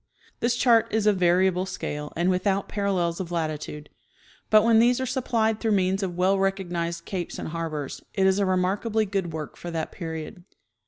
This chart is of vari able scale and without parallels of latitude, but when these are supplied through means of well recognized capes and harbors, it is a remarkably good work for that period.